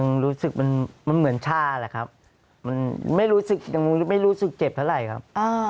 มันรู้สึกมันเหมือนชาแหละครับไม่รู้สึกเจ็บเท่าไหร่ครับ